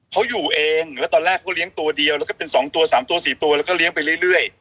เขาอยู่เองแล้วตอนแรกเขาเลี้ยงตัวเดียวแล้วก็เป็น๒ตัว๓ตัว๔ตัวแล้วก็เลี้ยงไปเรื่อย